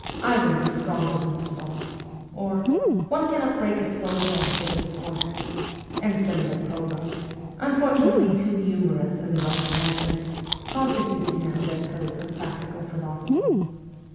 ' Iron is stronger than straw/ or ' One cannot break a stone wall with his forehead,' and similar proverbs, unfortunately too numerous in the Russian language, constituted now their code of practical philosophy.